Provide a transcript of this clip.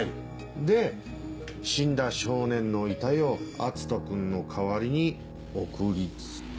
で死んだ少年の遺体を篤斗君の代わりに送りつけ。